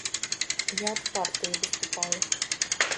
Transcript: Я ад партыі выступаю.